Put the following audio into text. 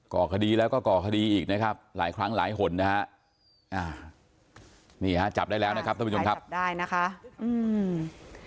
ก่อคดีแล้วก็ก่อคดีอีกนะครับหลายครั้งหลายหนนะฮะอ่านี่ฮะจับได้แล้วนะครับท่านผู้ชมครับจับได้นะคะอืม